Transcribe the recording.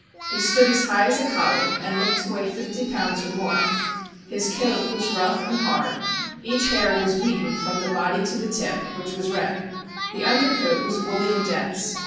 He stood as high as a Collie, and look d to weigh fifty pounds or more; his coat was rough and hard; each hair was wheaten from the body to the tip, which was red; the under coat was woolly and dense.